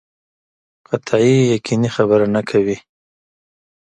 قطعي یقیني خبره نه کوي.